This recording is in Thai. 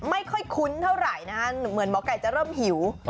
ไม่ค่อยคุ้นเท่าไหร่นะฮะเหมือนหมอไก่จะเริ่มหิว